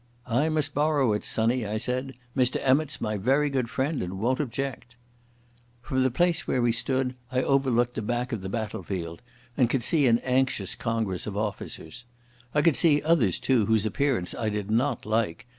"I must borrow it, sonny," I said. "Mr Emmott's my very good friend and won't object." From the place where we stood I overlooked the back of the battle field and could see an anxious congress of officers. I could see others, too, whose appearance I did not like.